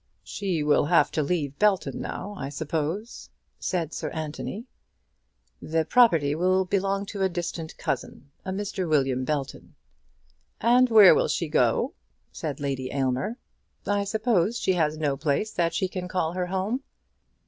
"She will have to leave Belton now, I suppose?" said Sir Anthony. "The property will belong to a distant cousin, a Mr. William Belton." "And where will she go?" said Lady Aylmer. "I suppose she has no place that she can call her home?"